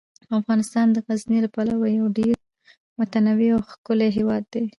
افغانستان د غزني له پلوه یو ډیر متنوع او ښکلی هیواد دی.